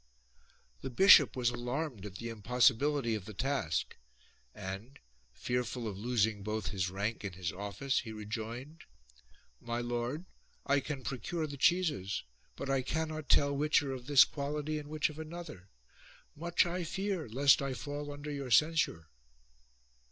The bishop was alarmed at the impossibility of the task and, fearful of losing both his rank and his office, he rejoined :—" My lord, I can procure the cheeses, but I cannot tell which are of this quality and which of another. Much I fear lest I fall under your censure."